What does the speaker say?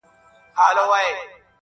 • د ناست زمري څخه، ولاړه ګيدړه ښه ده -